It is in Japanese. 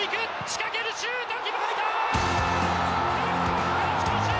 仕掛ける、シュート！